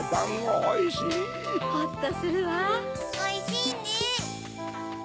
おいしいね！